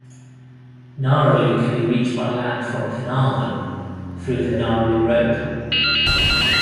Gnaraloo can be reached by land from Carnarvon through the Gnaraloo road.